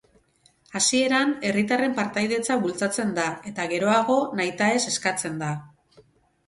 Hasieran, herritarren partaidetza bultzatzen da, eta geroago nahitaez eskatzen da.